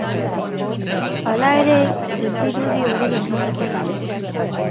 Hala ere, ez dirudi hori gertatuko denik.